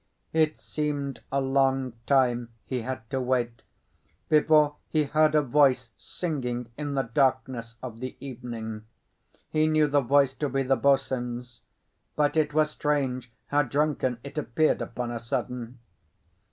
It seemed a long time he had to wait before he heard a voice singing in the darkness of the avenue. He knew the voice to be the boatswain's; but it was strange how drunken it appeared upon a sudden.